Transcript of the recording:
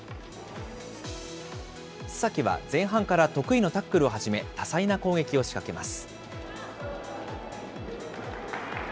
須崎は前半から得意のタックルをはじめ、多彩な攻撃を仕掛けます。